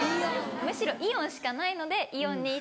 むしろイオンしかないのでイオンに行って。